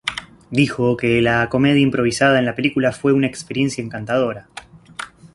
Dijo que la comedia improvisada en la película fue una "experiencia encantadora".